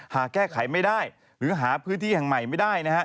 หากแก้ไขไม่ได้หรือหาพื้นที่ใหม่ไม่ได้